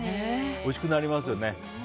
おいしくなりますよね。